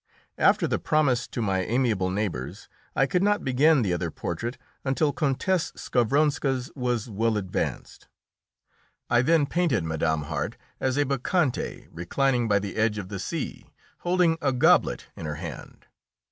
After the promise to my amiable neighbours, I could not begin the other portrait until Countess Skavronska's was well advanced. I then painted Mme. Harte as a bacchante reclining by the edge of the sea, holding a goblet in her hand.